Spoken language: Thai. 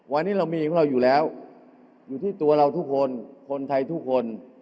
วันนี้เรามีของเราอยู่แล้วอยู่ที่ตัวเราทุกคนคนไทยทุกคน